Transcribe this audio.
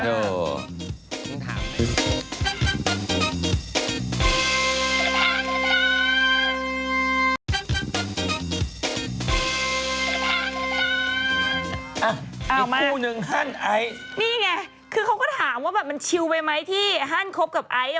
นี่ไงคือเขาก็ถามว่าแบบมันชิวไปไหมที่ฮั่นครบกับไอซ์